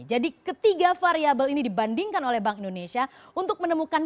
jadi ketiga variabel ini dibandingkan oleh bank indonesia untuk menemukan